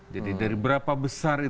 jadi dari berapa besar